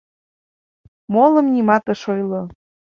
Молым нимат ыш ойло.